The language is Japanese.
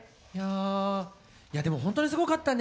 いやでも本当にすごかったね。